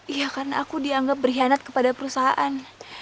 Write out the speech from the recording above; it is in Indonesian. iya karena aku dianggap berkhianat kepada perusahaan